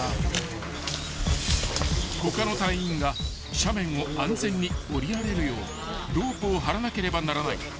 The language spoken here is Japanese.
［他の隊員が斜面を安全におりられるようロープを張らなければならない］